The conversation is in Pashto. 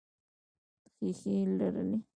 ښیښې لرلې.